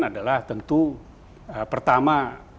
adalah tentu pertama